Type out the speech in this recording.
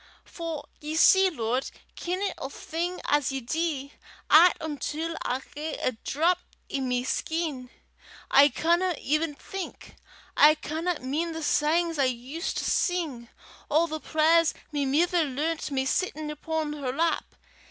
For ye see, Lord, kennin' a' thing as ye dee, 'at until I hae a drap i' my skin, I canna even think; I canna min' the sangs I used to sing, or the prayers my mither learnt me sittin' upo' her lap.